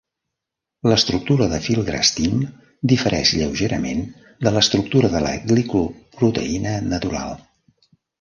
L'estructura de filgrastim difereix lleugerament de l'estructura de la glicoproteïna natural.